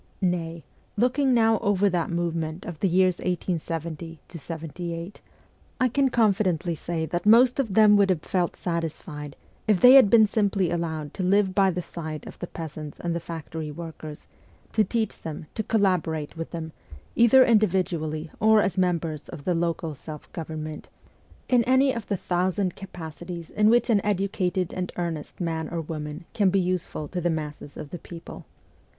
Nay, looking now over that movement of the years 1870 78, I can confidently say that most of them would have felt satisfied if they had been simply allowed to live by the side of the peasants and the factory workers, to teach them, to collaborate with them, either individually or. as members 236 MEMOIRS OF A REVOLUTIONIST of the local self government, in any of the thousand capacities in which an educated and earnest man or woman can be useful to the masses of the people.